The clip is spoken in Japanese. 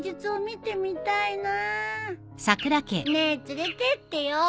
ねえ連れてってよ。